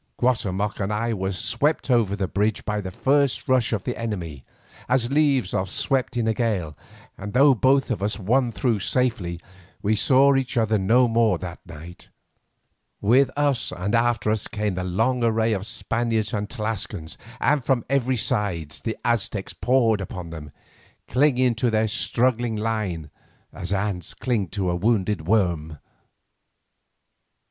Guatemoc and I were swept over that bridge by the first rush of the enemy, as leaves are swept in a gale, and though both of us won through safely we saw each other no more that night. With us and after us came the long array of Spaniards and Tlascalans, and from every side the Aztecs poured upon them, clinging to their struggling line as ants cling to a wounded worm.